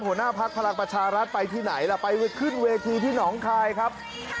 หัวหน้าพักพลังประชารัฐไปที่ไหนล่ะไปขึ้นเวทีที่หนองคายครับ